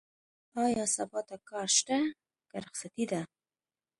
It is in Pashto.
ايا سبا ته کار شته؟ که رخصتي ده؟